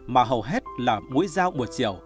mà hầu hết là mũi dao một chiều